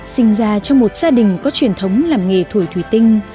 sinh ra trong một gia đình có truyền thống làm nghề thổi thủy tinh